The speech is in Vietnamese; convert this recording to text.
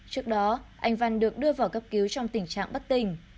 trước đó anh văn được đưa vào cấp cứu trong tình trạng bất tình